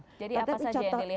jadi apa saja yang dilihat misalnya